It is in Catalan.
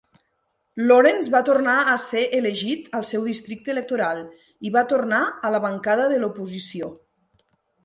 Lawrence va tornar a se elegit al seu districte electoral i va tornar a la bancada de l'oposició.